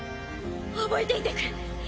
覚えていてくれ。